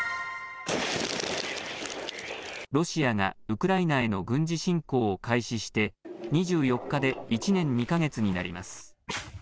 ロシアがウクライナへの軍事侵攻を開始して２４日で１年２か月になります。